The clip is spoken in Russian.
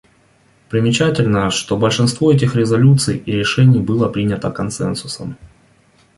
Примечательно, что большинство этих резолюций и решений было принято консенсусом.